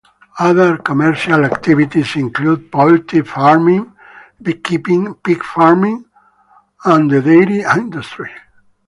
Other commercial activities include poultry farming, beekeeping, pig farming and the dairy industry.